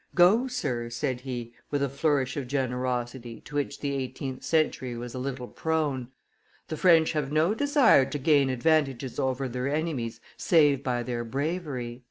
"Go, sir," said he, with a flourish of generosity to which the eighteenth century was a little prone, "the French have no desire to gain advantages over their enemies save by their bravery."